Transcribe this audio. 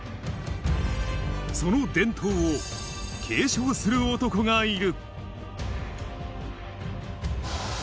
その伝統を継承する男がいる。